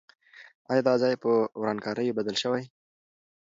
آیا دا ځای په ورانکاریو بدل سوی؟